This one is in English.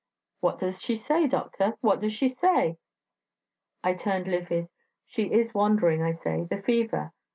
'What does she say, doctor? what does she say?' I turned livid. 'She is wandering,' I say; 'the fever.'